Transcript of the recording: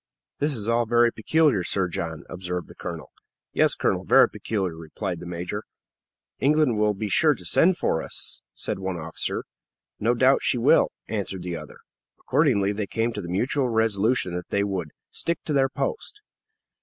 "This is all very peculiar, Sir John," observed the colonel. "Yes, colonel; very peculiar," replied the major. "England will be sure to send for us," said one officer. "No doubt she will," answered the other. Accordingly, they came to the mutual resolution that they would "stick to their post."